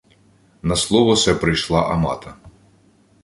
На слово се прийшла Амата